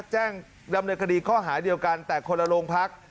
แจ้งดำเนินคดีข้อหาเดียวกันแต่คนละโรงพัก